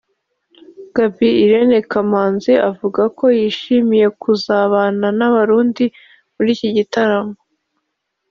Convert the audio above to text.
Gaby Irene Kamanzi avuga ko yishimiye kuzabana n’abarundi muri iki gitaramo